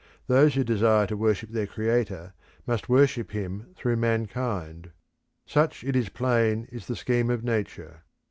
Those who desire to worship their Creator must worship him through mankind. Such it is plain is the scheme of Nature.